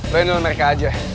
lo yang nyuruh mereka aja